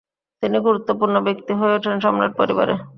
তিনি গুরুত্বপূর্ণ ব্যক্তি হয়ে ওঠেন সম্রাট পরিবারে।